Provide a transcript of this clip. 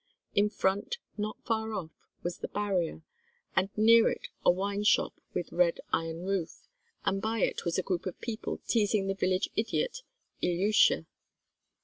In front, not far off, was the barrier, and near it a wine shop with red iron roof, and by it was a group of people teasing the village idiot Ilyusha.